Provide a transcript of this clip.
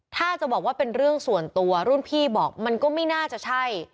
ถ้าจะบอกว่าเป็นเรื่องส่วนตัวรุ่นพี่บอกมันก็ไม่น่าจะใช่